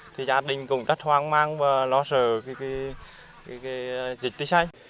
thì gia đình cũng rất hoang mang và lo sở cái dịch tai xanh